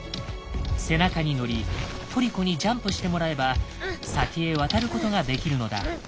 背中に乗りトリコにジャンプしてもらえば先へ渡ることができるのだ。